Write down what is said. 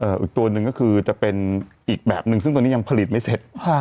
อีกตัวหนึ่งก็คือจะเป็นอีกแบบนึงซึ่งตอนนี้ยังผลิตไม่เสร็จ